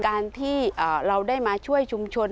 การที่เราได้มาช่วยชุมชน